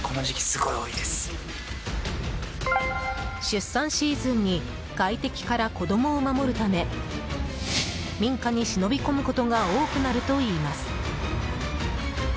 出産シーズンに外敵から子供を守るため民家に忍び込むことが多くなるといいます。